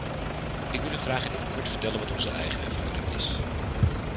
Ik wil u graag in het kort vertellen wat onze eigen ervaring is.